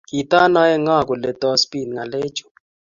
Kitanae ng'o kole tos bit ngalek chu?